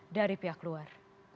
dari pihak luar